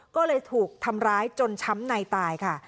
ก็เลยถูกทำร้ายจนช้ำในตายค่ะ